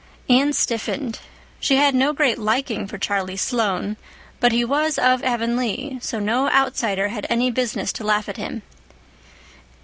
Anne stiffened. She had no great liking for Charlie Sloane; but he was of Avonlea, so no outsider had any business to laugh at him.